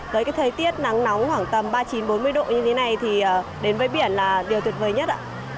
với cái thời tiết nắng nóng khoảng tầm ba mươi chín bốn mươi độ như thế này thì đến với biển là điều tuyệt vời nhất ạ